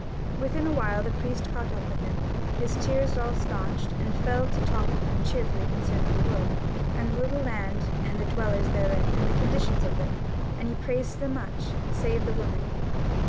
Within a while the priest caught up with him, his tears all staunched, and fell to talk with him cheerfully concerning the wood, and the Little Land and the dwellers therein and the conditions of them, and he praised them much, save the women.